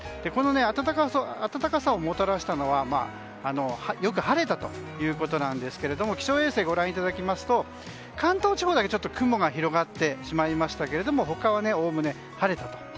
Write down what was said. この暖かさをもたらしたのはよく晴れたということなんですけれども気象衛星をご覧いただきますと関東地方だけ雲が広がってしまいましたが他はおおむね晴れたと。